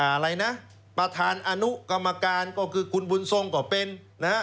อะไรนะประธานอนุกรรมการก็คือคุณบุญทรงก็เป็นนะฮะ